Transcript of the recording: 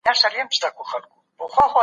تمرين ضروري دئ.